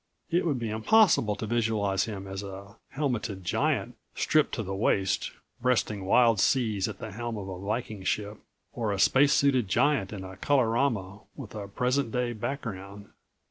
It would be impossible to visualize him as a helmeted giant stripped to the waist, breasting wild seas at the helm of a Viking ship or a spacesuited giant in a colorama with a present day background.